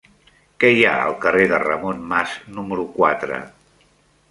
Què hi ha al carrer de Ramon Mas número quatre?